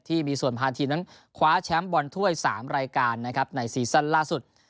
ที่มีส่วนพาทีมนั้นคว้าแชมป์บอลถ้วย๓รายการนะครับในซีซั่นล่าสุด